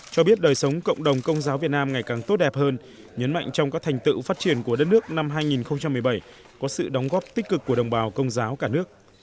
cho biết đời sống cộng đồng công giáo việt nam ngày càng tốt đẹp hơn nhấn mạnh trong các thành tựu phát triển của đất nước năm hai nghìn một mươi bảy có sự đóng góp tích cực của đồng bào công giáo cả nước